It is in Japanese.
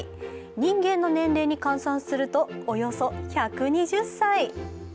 人間の年齢に換算するとおよそ１２０歳。